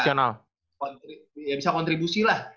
yang bisa kontribusi lah